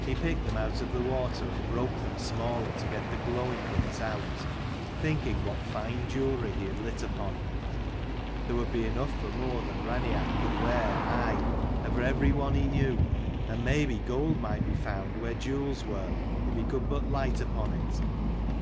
He picked them out of the water, and broke them smaller to get the glowing bits out, thinking what fine jewellery he had lit upon: there would be enough for more than Raineach could wear, aye, and for every one he knew: and maybe gold might be found where jewels were, if he could but light upon it.